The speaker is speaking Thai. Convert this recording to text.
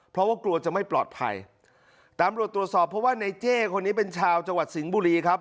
เพราะว่ากลัวจะไม่ปลอดภัยตำรวจตรวจสอบเพราะว่าในเจ้คนนี้เป็นชาวจังหวัดสิงห์บุรีครับ